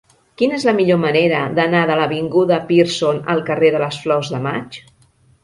Quina és la millor manera d'anar de l'avinguda de Pearson al carrer de les Flors de Maig?